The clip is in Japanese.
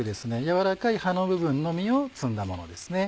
柔らかい葉の部分のみを摘んだものですね。